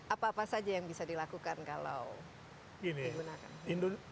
apa apa saja yang bisa dilakukan kalau digunakan